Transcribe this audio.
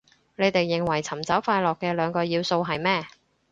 你哋認為尋找快樂嘅兩個要素係咩